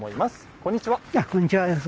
こんにちは。